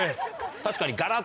確かに。